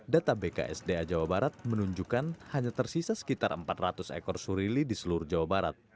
data bksda jawa barat menunjukkan hanya tersisa sekitar empat ratus ekor surili di seluruh jawa barat